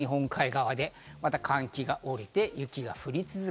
今度は日本海側で、また寒気がおりて雪が降り続く。